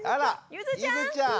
ゆづちゃん。